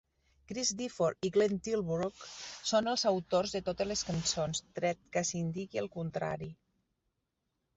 Chris Difford i Glenn Tilbrook són els autors de totes les cançons, tret que s'indiqui el contrari.